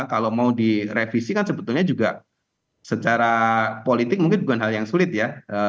kalau mau direvisi kan sebetulnya juga secara politik mungkin bukan hal yang sulit ya